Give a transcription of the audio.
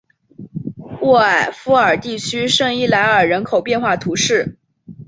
沃埃夫尔地区圣伊莱尔人口变化图示